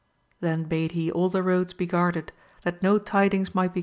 Then bade he all the roads be guarded, that no tidings might be AMADIS OF GAUL.